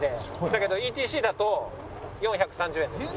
だけどＥＴＣだと４３０円です。